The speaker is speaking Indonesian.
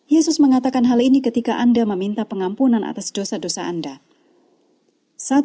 yesus mengatakan hal ini ketika anda meminta pengampunan atas dosa dosa anda